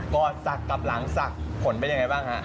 ก่อสักกับหลังสักผลเป็นยังไงบ้างคะ